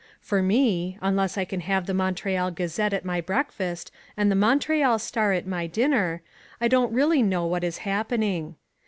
For me, unless I can have the Montreal Gazette at my breakfast, and the Montreal Star at my dinner, I don't really know what is happening.